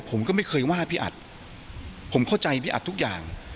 ผมก็ไม่เคยว่าพี่อัดผมเข้าใจพี่อัดทุกอย่าง